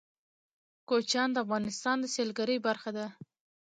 کوچیان د افغانستان د سیلګرۍ برخه ده.